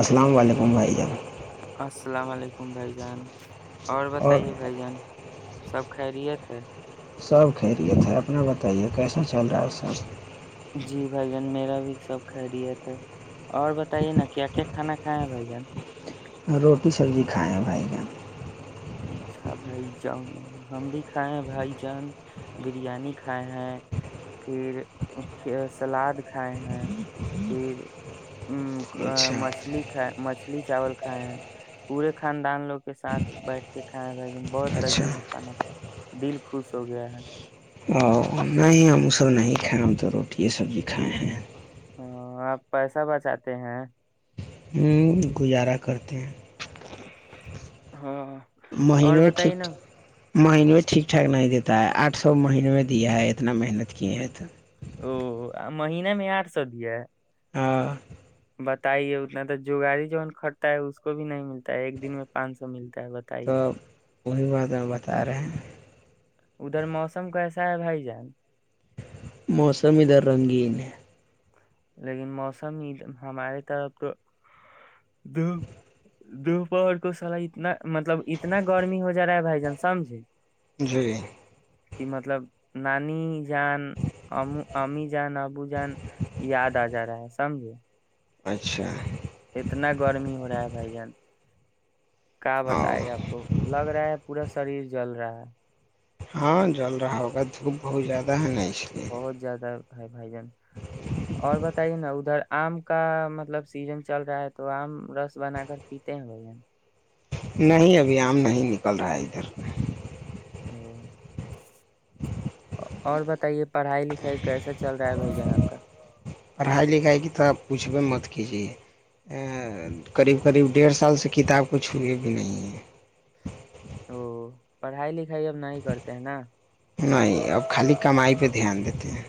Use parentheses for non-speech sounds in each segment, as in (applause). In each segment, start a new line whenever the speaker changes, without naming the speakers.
السلام علیکم بھائی جان
السلام علیکم بھائی جان اور بتائیے بھائی جان سب خیریت ہے
سب خیریت اپنا بتائیے کیسا چل رہا ہے سب
جی بھائی جان میرا بھی سب خیریت ہے اور بتائیے نا کیا کیا کھانا کھائے ہے بھائی جان
روٹی سبزی کھائیں بھائی جان
اچھا بھائی جان ہم بھی کھائے ہیں بھائی جان بریانی کھائے ہیں پھر سلاد کھائے ہیں پھر ا
اچھا
مچھلی کائے مچھلی چاول کھائے ہیں پورے خاندان لوگ کے ساتھ بیٹھ یہ کھانیا گ دن بہت
اچھا
لذیذ کھانا تھا دل خوش ہو گیا ہے
او نہیں ہم سب نہیں کھائے ہم تو روٹی ہے سبزی کھائے ہیں
ہاں آپ پیسہ بچاتے ہیں
گزارا کرتے ہیں
ہاں اور
مہینو
بتائیے
ٹھیک
نا
مہینے میں ٹھیک ٹھاک نہیں دیتا ہے آٹھ سو مہینے میں دیا ہے اتنا محنت کیے ہیں تو
او مہین میں آٹھ سو دیا
ہاں
بتائیے اتنا تو جگاڑی جو کھرتا ہے اس کو بھی نہیں ملتا ہے ایک دن میں پانچ سو ملتا تا ہے بتائیے
تو وہی بات ہم بتا رہے ہیں
ادھر موسم کیسا ہے بھائی جان
موسم ادھر رنگین ہے
لیکن موسم ہمارے طرف تو دوپہر کو سلا اتنا مطلب اتنا گرمی ہو جا رہا ہے بھائی جان سمجھے
جی
کہ مطلب نانی جان ا امی جان ابو جان یاد آ جا رہا ہے سمجھے
اچھا
اتنا گرمی ہو رہا ہے بھائی جان کیا
ہاں
بتائے آپ کو لگ رہا ہے پورا شریر جل رہا ہے
ہاں جل رہا ہوگا دھوپ بہت زیادہ ہے نہیں
بہت زیادہ ہے بھائی جان اور بتائیے نا ادھر آم کا مطلب سیزن چل رہا ہے تو آم رس بنا کر پیتے ہیں بھائی جن
نہیں ابھی عم نہیں نکل رہا ہے ادھر
ہ (unintelligible)
(inaudible)
اور بتائیے پڑھائی لکھائی کیسا چل رہا ہے بھائی جان آپ کا
پڑھائی لکھائی کی تو آپ پوچھ پ مت کیجیے قریب قریب ڈیڑھ سال سے کتاب کو چھوئی بھی نہیں ہیں
او پڑھائی لکھائی اب نہیں کرتے ہیں نا
نہیں اب خالی کمائی پہ دھیان دیتے ہیں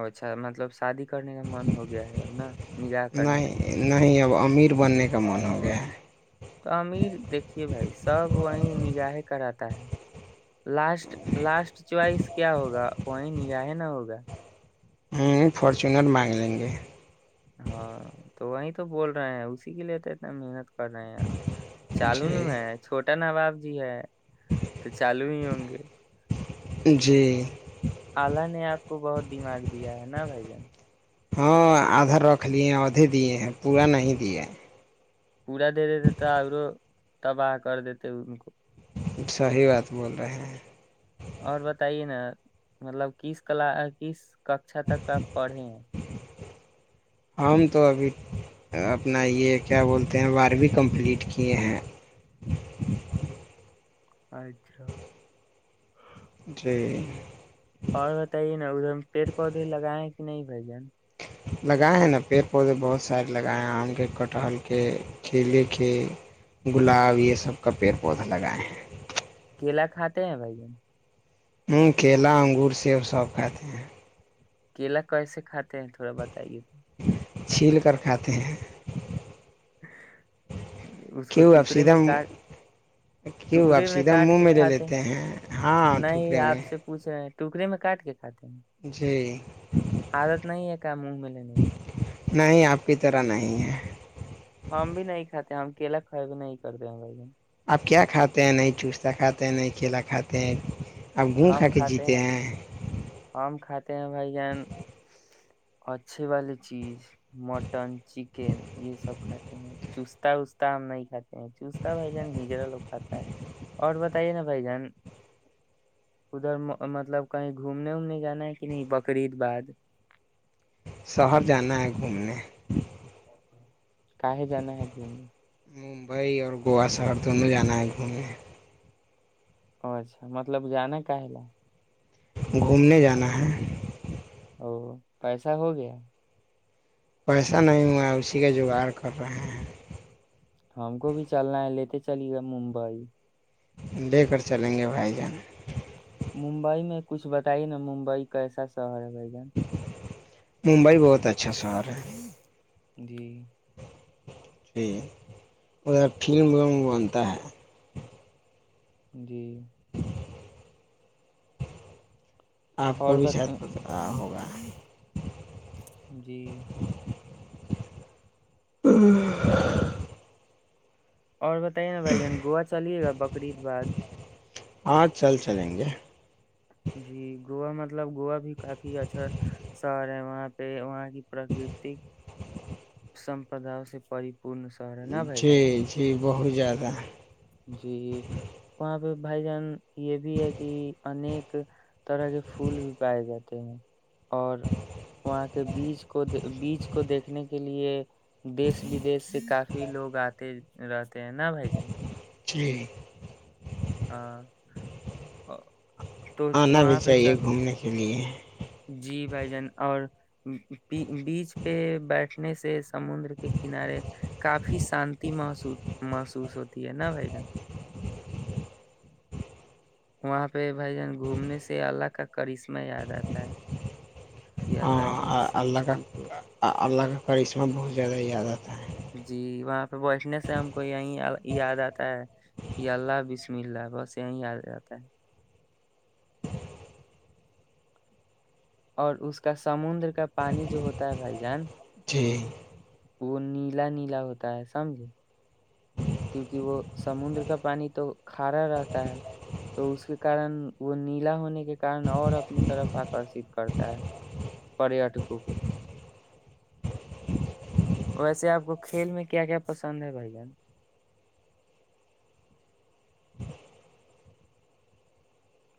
اچھا مطلب شادی کرنے کا من ہو گیا ہے ا نا نگاہ کرنے کا
نہیں نہیں اب امیر بننے کا من ہو گیا ہے
تو امیر دیکھیے بھائی سب وہیں نگاہیں کراتتا ہے لاسٹ لاسٹ چوائس کیا ہوگا وہیں نیااہ نہ ہوگا
ہوں فارچونر مانگ لیں گے
ہاں تو وہی تو بول رہے ہیں اسی کے لیے تو اتنا محنت نہیں چالو ن ہے
جی
چوٹا ن بااز جی ہے تو چالو ہی ہوں گے
جی
اللہ نے آپ کو بہت دماغ دیا ہے نا بایی جان
ہاں آدھا رکھ لیے ہیں آدھے دیے ہیں پورا نہیں دیا ہے
پورا دے دی دیتا اورو تباہ کر دیتے ان کو
صحیح بات بول رہے ہیں
اور بتائیے نا مطلب کس کلا کس ککھا تک آپ پڑھے ہیں
ہم تو ابھی اپنا یہ کیا بولتے ہیں بارہویں کمپلیٹ کیے ہیں
اچھا (unintelligible)
جی
اور بتائیے نا ادھر پیڑ پودے لگائے کہ نہیں بھ جان
لگائے ہیں نا پیڑ پودے بہت سارے لگائے ہیں آم کے کٹہل کے کیلے کے گلاب یہ سب کا پیڑ پودے لگائے ہیں
کیلا کھاتے ہیں بھائی جن
ہوں کیلا انگور سیب سب کھاتے ہیں
ک لاک کاس خات تھوڑا بتائیے ت
چھیل کر کھاتے ہیں
اس کو
کیوں آپ
ٹکڑے
سیدھا
میں کاٹ
کیوں آپ
ٹکڑے میں
سیدھا منہ
کاٹ کے
میں لے
کھاتے
لیتے ہیں ہاں ٹکرے میں
ٹکے میں کاٹ کے کھاتے ہیں
جی
عادت نہیں ہے کا منہ میں لینے کا
نہیں آپ کی طرح نہیں ہے
ہم بھی نہیں کھاتے ہیں ہم کیلا کھائے بھی نہیں کرتے ہیں بھن
آپ کیا کھاتے ہیں نہیں چستتا کھاتے ہیں نہیں کیلا کھاتے ہیں آپ گھوم کھا
ہم
کے
کھاتے
جیتے
ہیں ہم کھاتے ہیں بھائی جان اچھے والی چیز مٹن چکن یہ سب کھاتے ہیں چستتا وستا ہم نہیں کھاتے ہیں چستتا بھ جان ہجرا لوگ کھاتا ہے اور بتائیے نا بھائی جان ادھر مطلب کہیں گھومنے وومنے جانا ہے کہ نہیں بقرید بعد
شہر جانا ہے گھومنے
کایں جانا ہے گھومنے
ممبئی اور گوا شہر دونوں جانا ہے گھومنے
ا اچھا مطلب جانا ہے کااہ ل
گھومنے جانا ہے
ا پیسہ ہو گیا
پیسہ نہیں ہوا ہے اسی کا جگاڑ کر رہے ہیں
ہم کو بھی چلنا ہے لیتے چلیے گئے ممبئی
لے کر چلیں گے بھائی جان
ممبئی میں کچھ بتائیے نا ممبئی کیسا شہر ہے بائی گان
ممبئی بولت بہت اچھا سور ہے
جی
ج ادھر فلم ولم بنتا ہے
جی (unintelligible)
(unintelligible) آپ کو
اور
بھی
بت
شت ہوگا
جی
ہ (unintelligible)
اور بتائیے نا بھائی جان گوا چلیے گا بقریید باد
ہاں چل چلیں گے
جی گووا مطلب گووا بھی کافی اچھا شہر ہے وہاں پہ وہاں کی پراکرتک سمپداؤ سے پ
جی جی بہت زیادہ بہ
جی وہاں پہ بھائی جان یہ بھی ہے کہ انیک طرح کے پھول بھی پائے جاتے ہیں اور وہاں کے بیچ کو بیچ کو دیکھنے کے لیے دیس ودیش سے کافی لوگ آتے رہتے ہیں ن بھائی جان
چھ (unintelligible)
ہاں تو
آنا بھی
وہاں پہ
چاہیے
چل
گھومنے کے لیے
جی بھائی جان اور (unintelligible) بیچ پہ بیٹھنے سے سمندر کے کنارے کافی شانتی محس محسوس ہوتی ہے نا بھائی جن (unintelligible) وہاں پہ بھائی جان گھومنے سے اللہ کا کرشمہ یاد آتا ہے کہ اللہ نے
ہاں
اس
اللہ کا
سرشٹی کو
اللہ کا اور اس میں بہت زیادہیاد آتا ہے (unintelligible)
جی وہاں پہ بیٹھنے سے ہم کو یہیں یاد آتا ہے کہ اللہ بسم اللہ بس یہیں یاد جتا ہے اور اس کا سمندر (unintelligible) کا پانی جو ہوتا ہے بھائی جان
جی
(unintelligible) وہ نیلا نیلا ہوتا ہے سمجھے (unintelligible) کیونکہ وہ سمندر کا پانی تو کھارا رہتا ہے تو اس کے کارن وہ نیلا ہونے کے کن اور اپنی طرف آکرشت کرتا ہے پریٹکوں کو (unintelligible) ویسے آپ کو کھیل میں کیا کیا پسند ہے بھائی جان (unintelligible)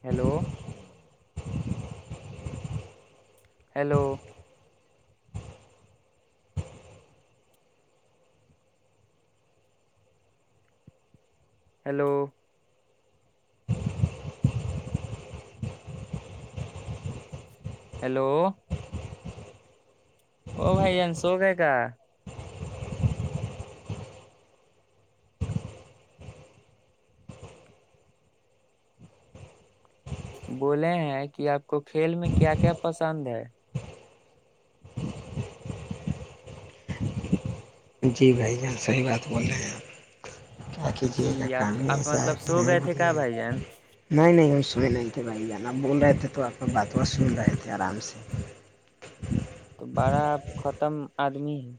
ہیلو (unintelligible) ہیلو ہیلو ہلو او بھائی جین شوق ہے کا بولے ہیں کہ آپ کو کھیل میں کیا کیا پسند ہے
جی بھائی جان صحیح بات بول رہے ہیں آپ (unintelligible) کیا کیجیے گا
جی آپ
کام ہی
آپ
ایسا ہے
مطلب
کہ
سو گئے تھے کیا
نہیں
بھائی جان
نہیں نہیں س نہیں تھے بھائی جان آ بول رہے تھے تو آپ بات ب سن رہے تھے آرام سے (unintelligible)
تو بڑا ختم آدمی ہے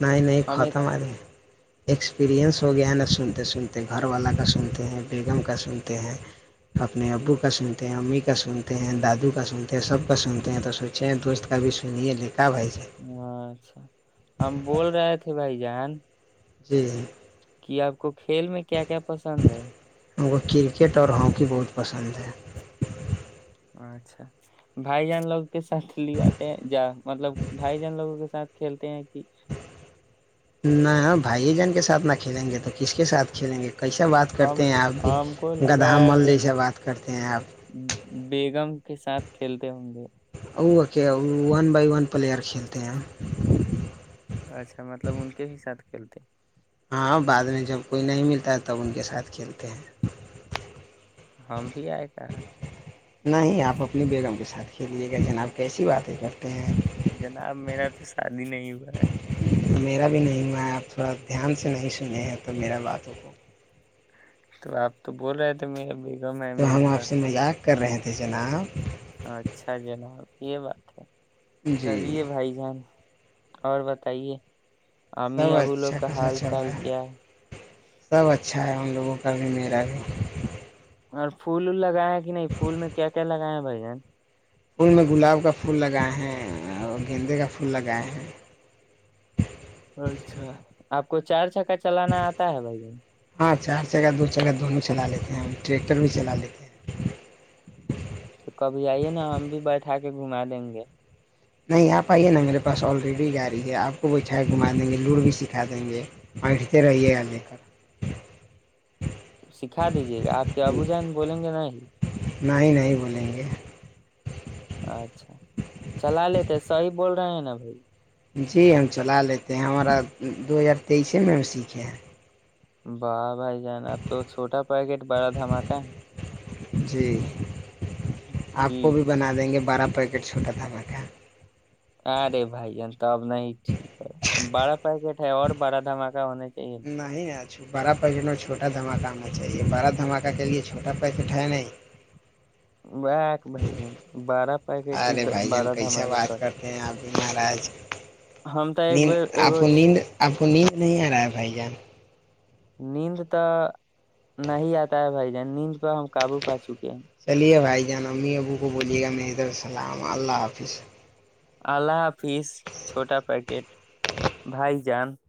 نہیں نہیں
ہمیں
ختم آ رہ (unintelligible) ایکسپریئنس ہو گیا نا سنتے سنتے گھر والا کا سنتے ہیں بیگم کا سنتے ہیں اپنے ابو کا سنتے ہیں امی کا سنتے ہیں دادو کا سنتے ہیں سب کا سنتے ہیں تو سوچے ہیں دوست کا بھی سنیے لیکن
ہ اچھا (unintelligible) ہم بول رہے تھے بھائی جان (unintelligible)
جی جی (unintelligible)
کہ آپ کو کھیل میں کیا کیا پسند ہے
ان کو کرکٹ اور ہاکی بہت پسند ہے (unintelligible)
اچھا بھائی جان لوگ (unintelligible) کے ساتھ لیواتے ہیں جا مطلب بھائی جان لوگوں کے سات (unintelligible) کھیلتے ہیں کہ (unintelligible)
نہ بھائی جان کے ساتھ نہ کھیلیں گے تو کس کے ساتھ کھیلیں گے کیسا بات
ہم
کرتے ہیں
کو
آپ بھی
ہم کو لگا
گدہا
ہے
مل
بیگ
جیسا بات کرتے ہیں آپ
بیگم
(unintelligible)
کے ساتھ کھیلتے ہوں گے (unintelligible)
وہ کیا ون بائی ون پلیئر کھیلتے ہیں (unintelligible)
اچھا مطلب ان کے بھی ساتھ کھیلتے ہیں (unintelligible)
ہاں بعد میں جب کوئی نہیں ملتا ہے تب ان کے ساتھ کھیلتے ہیں
ہم بھی آئے کر
نہیں ہی آپ اپنی بیگم کے ساتھ کھیل لیے گا جناب کیسی بات ہے کر
جناب میرا ا شادی نہیں ہوا ہے
میرا بھی نہیں ہوا ہے آپ تھوڑا دھیان سے نہیں سنے ہیں تو میرا بات ہوگ
تو آپ تو بول رہے تھے میں اب
تو ہم آپ سے مذاق کر رہے تھے ج جناب
اچھا جناب یہ بات ہے
جی
چلیے بھائی جان اور بتائیے
سب
امی ابو لوگ
اچھا
کا
کیسا
حال
چل
چال
رہا ہے
کیا
سب اچھا ہے ان لوگوں کو کابھی میرا بھی
اور پھول ول لگائےیں کہ نہیں پھول میں کیا کیا لگائے ہیں بھائی ج
پھول میں گلاب کا پھول لگائے ہیں اور گیندے کا پھول لگائے ہیں
اچھا آپ کو چار چکا چلانا آتا ہے بھائی ج
ہاں چار چگہ دو چگہ دونوں چلا لیتے ہیں ٹریکٹر بھی چلا لیتے ہیں
تو کبھی آئیے نا ہم بھی بیٹھا کے گھما دیں گے
نہیں آپ آئیے نا میرے پاس آلریڈی گاڑی ہے آپ کو وہ چھائے گھما دیں گے لوور بھی سکھا دیں گے بیٹھتے رہیے گا لے کر
سکھا دی جیا آپ کے ابو جان بولیں گے نہیں جی (unintelligible) (inaudible)
نہیں نہیں بولیں گے
اچھا چلا لیتے سیح بول رہے ہیں نا بھائی
جی ہم چلا لیتے ہیں ہمارا دو ہزار تیئیسے میں ہم سیکھے ہیں
واہ بھائی جان اب تو چھوٹا پیکیٹ بڑا دھماکہ ہے
جی
ہے
آپ کو
جی
بھی بنا دیں گے بارہ پیکیٹ چھوٹا د بقا
ارے بھائی جان تب نہیں ٹھیک ہے بڑا پیکٹ ہے اور بڑا دھماکا ہونا چاہ
نہیں آج بارہ پیکٹ میں چھوٹا دھماکہ ہونا چاہیے بارہ دھماکہ کے لیے چھوٹا پیکٹ ہے نہیں
ایک بھائی جان بارہ پیکج ہی
ارے بھائی جان
بارہ دام
کیسا
آگے کر
بات کرتے ہیں آپ بھی مہاراج نیند آپ نیند آپ کو نیند نہیں آ رہا ہے بھائی جان
نیند تو نہیں آتا ہے بھائی جان نیند پ ہم قابو پاچو
چلیے بھائی جان امی ابو کو بولیے گا میدر السلام اللہ حافظ
اللہ حافظ چھوٹ پیکٹ بھائی جان